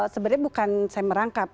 sebenarnya bukan saya merangkap